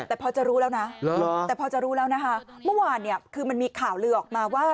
แต่พอจะรู้แล้วนะคะเมื่อวานเนี่ยคือมันมีข่าวเลยออกมาว่า